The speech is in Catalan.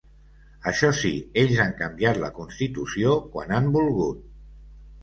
Això sí, ells han canviat la constitució quan han volgut.